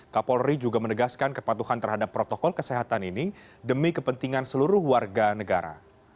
kapolri juga menegaskan kepatuhan terhadap protokol kesehatan ini demi kepentingan seluruh warga negara